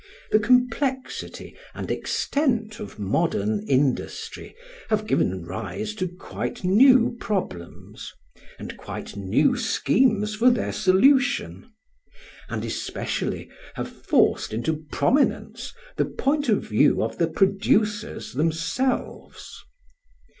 The complexity and extent of modern industry have given rise to quite new problems, and quite new schemes for their solution; and especially have forced into prominence the point of view of the producers themselves.